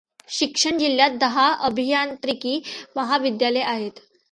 शिक्षण जिल्ह्यात दहा अभियांत्रिकी महाविद्यालये आहेत.